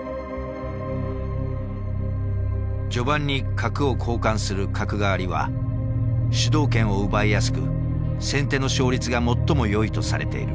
序盤に角を交換する角換わりは主導権を奪いやすく先手の勝率が最もよいとされている。